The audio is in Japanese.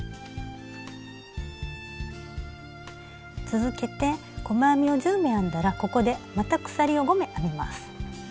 続けて細編みを１０目編んだらここでまた鎖を５目編みます。